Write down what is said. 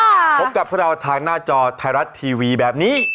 พบกับพวกเราทางหน้าจอไทยรัฐทีวีแบบนี้